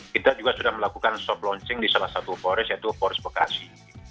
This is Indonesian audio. kita juga sudah melakukan soft launching di salah satu forest yaitu forest bekasi